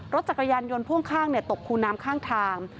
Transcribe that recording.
รถจักรยานยนต์พ่วงข้างตกคูน้ำข้างทาง